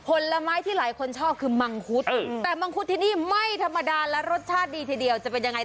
ผลไม้ที่หลายคนชอบคือมังคุดแต่มังคุดที่นี่ไม่ธรรมดาและรสชาติดีทีเดียวจะเป็นยังไง